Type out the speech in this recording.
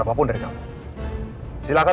apapun dari kamu silahkan